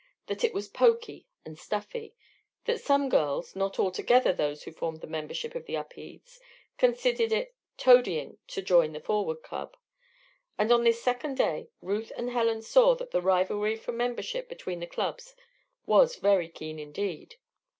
That it was "poky" and "stuffy." That some girls (not altogether those who formed the membership of the Upedes) considered it "toadying" to join the Forward Club. And on this second day Ruth and Helen saw that the rivalry for membership between the clubs was very keen indeed.